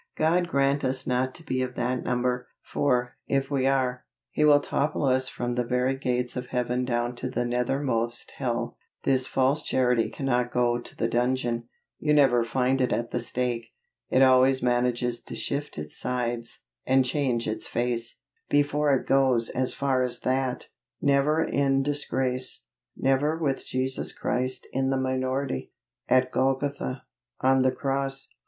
God grant us not to be of that number, for, if we are, He will topple us from the very gates of Heaven down to the nethermost hell. This false Charity cannot go to the dungeon you never find it at the stake. It always manages to shift its sides, and change its face, before it goes as far as that. Never in disgrace; never with Jesus Christ in the minority, at Golgotha on the cross.